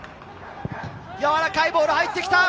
やわらかいボールが入ってきた。